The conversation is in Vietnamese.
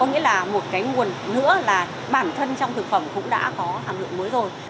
có nghĩa là một cái nguồn nữa là bản thân trong thực phẩm cũng đã có hàm lượng mới rồi